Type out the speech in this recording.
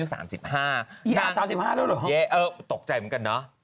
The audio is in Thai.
อี้อ่า๓๕แล้วเหรออเจมส์เออตกใจเหมือนกันเนอะ